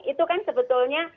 itu kan sebetulnya